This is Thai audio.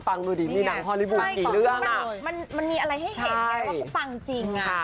มันมีอะไรให้เห็นไงว่าพูดฟังจริง